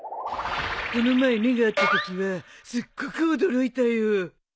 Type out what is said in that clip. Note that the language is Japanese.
この前目が合ったときはすっごく驚いたよ。